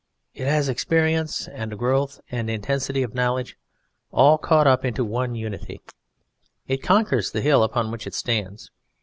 It has experience and growth and intensity of knowledge, all caught up into one unity; it conquers the hill upon which it stands.